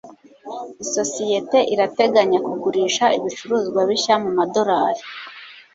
isosiyete irateganya kugurisha ibicuruzwa bishya ku madorali